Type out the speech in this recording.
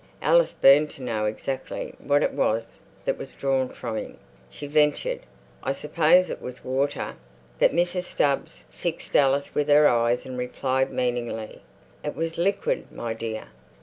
Alice burned to know exactly what it was that was drawn from him. She ventured, "I suppose it was water." But Mrs. Stubbs fixed Alice with her eyes and replied meaningly, "It was liquid, my dear."